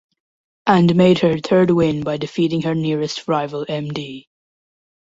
And made her third win by defeating her nearest rival Md.